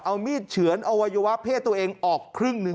เอามีดเฉือนอวัยวะเพศตัวเองออกครึ่งหนึ่ง